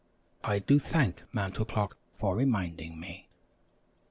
I do thank Mantel Clock for reminding me.